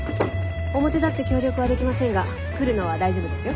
表立って協力はできませんが来るのは大丈夫ですよ。